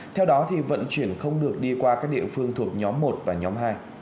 theo đó vận chuyển không được đi qua các địa phương thuộc nhóm một và nhóm hai